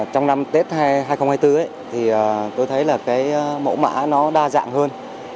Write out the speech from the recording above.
trong năm tết hai nghìn hai mươi bốn thì tôi thấy là cái mẫu mã nó đa dạng hơn